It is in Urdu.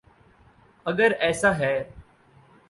اگر ایسا ہے۔